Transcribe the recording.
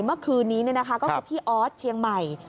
เมื่อคืนนี้ก็คือพี่ออสเชียงใหม่